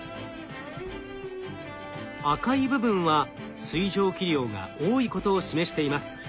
赤い部分は水蒸気量が多いことを示しています。